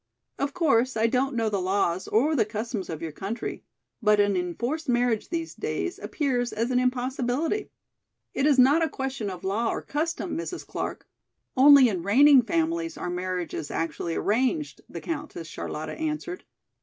Of course I don't know the laws or the customs of your country, but an enforced marriage these days appears as an impossibility." "It is not a question of law or custom, Mrs. Clark; only in reigning families are marriages actually arranged," the Countess Charlotta answered.